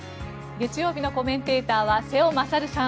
月曜日のコメンテーターは瀬尾傑さん